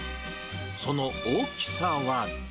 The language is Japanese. その大きさは。